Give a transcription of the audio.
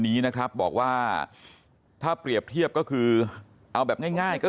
นี้นะครับบอกว่าถ้าเปรียบเทียบก็คือเอาแบบง่ายง่ายก็